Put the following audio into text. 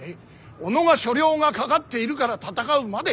己が所領がかかっているから戦うまで。